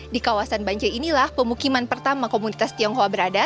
di kawasan banjai inilah pemukiman pertama komunitas tionghoa berada